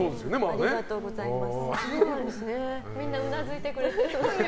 ありがとうございます。